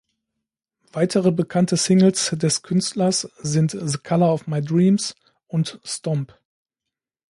Weitere bekannte Singles des Künstlers sind „The Color of My Dreams“ und „Stomp“.